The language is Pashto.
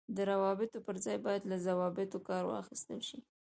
د روابطو پر ځای باید له ضوابطو کار واخیستل شي.